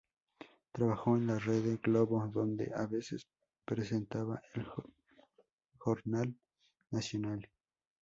Trabajó en la Rede Globo, donde a veces presentaba el "Jornal Nacional".